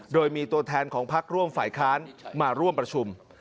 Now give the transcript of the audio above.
โดยมีตัวแทนของพักร่วมฝ่ายค้านมาร่วมประชุม